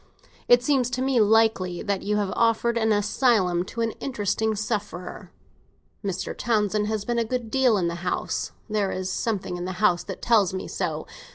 It seems to me likely that you would have offered an asylum to an interesting sufferer. Mr. Townsend has been a good deal in the house; there is something in the house that tells me so.